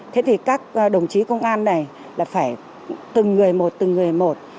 thế thì các đồng chí công an này là phải từng người một từng người một